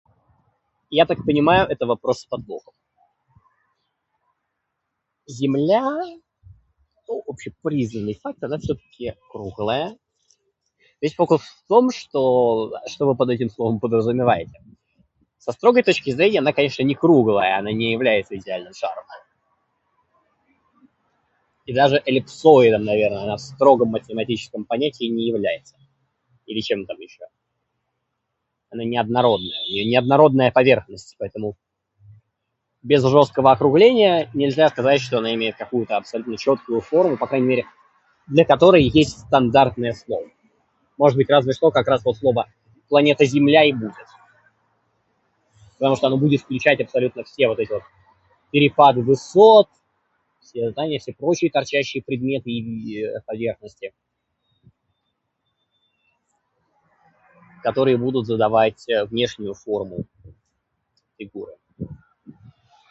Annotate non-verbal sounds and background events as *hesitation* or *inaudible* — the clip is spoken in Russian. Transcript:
"Я так понимаю, это вопрос с подвохом. Земля, ну, общепризнанный факт, она всё-таки круглая. Весь фокус в том, что что вы под этим словом подразумеваете. Со строгой точки зрения она, конечно, не круглая. Она не является идеальным шаром. И даже эллипсоидом, наверное, она в строгом математическом понятии не является. Или чем там ещё? Она неоднородная. У неё неоднородная поверхность, поэтому без жёсткого округления нельзя сказать, что она имеет какую-то абсолютно чёткую форму. По крайней мере, для которой есть стандартное слово. Может быть, разве что как раз вот слово ""планета Земля"" и будет. Потому что оно будет включать абсолютно все вот эти вот перепады высот, все здания, все прочие торчащие предметы и *hesitation* поверхности, которые будут задавать, [disfluency|э], внешнюю форму фигуры."